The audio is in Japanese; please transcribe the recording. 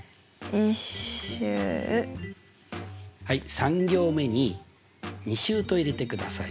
３行目に「２週」と入れてください。